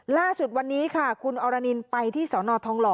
ล่าสุดวันนี้ค่ะคุณอรณินไปที่สนทองหล่อ